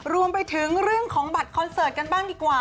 รวมไปถึงเรื่องของบัตรคอนเสิร์ตกันบ้างดีกว่า